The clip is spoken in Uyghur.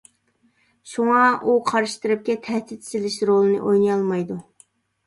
شۇڭا، ئۇ قارشى تەرەپكە تەھدىت سېلىش رولىنى ئوينىيالمايدۇ.